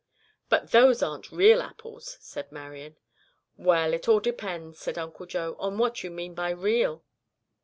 "But those aren't real apples," said Marian. "Well, it all depends," said Uncle Joe, "on what you mean by real."